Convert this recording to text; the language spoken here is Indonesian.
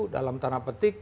dalam tanah petik